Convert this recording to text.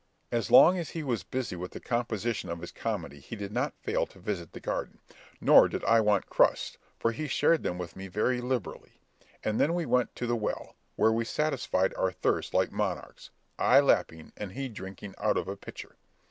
As long as he was busy with the composition of his comedy he did not fail to visit the garden, nor did I want crusts, for he shared them with me very liberally; and then we went to the well, where we satisfied our thirst like monarchs, I lapping, and he drinking out of a pitcher.